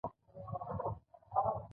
ایا زه باید پولیس شم؟